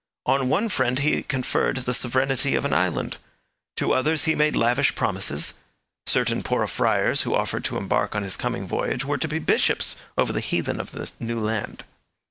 On one friend he conferred the sovereignty of an island; to others he made lavish promises; certain poor friars who offered to embark on his coming voyage were to be bishops over the heathen of the new land.